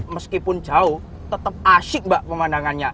meskipun jauh tetap asyik mbak pemandangannya